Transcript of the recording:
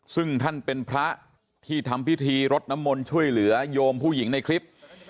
ซึ่งท่านเป็นพระที่ทำพิธีรดน้ำมนต์ช่วยเหลือโยมผู้หญิงในคลิป